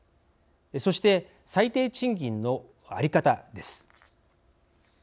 そして最低賃金の在り方です。